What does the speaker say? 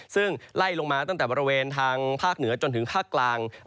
ซึ่งไล่ลงมาตั้งแต่บริเวณทางภาคเหนือจนถึงภาคกลาง